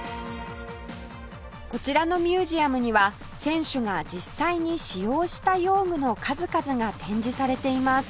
こちらのミュージアムには選手が実際に使用した用具の数々が展示されています